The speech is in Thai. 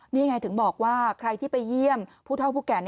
นี่ไงถึงบอกว่าใครที่ไปเยี่ยมผู้เท่าผู้แก่